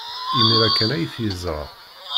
Imir-a kan ay t-yeẓra.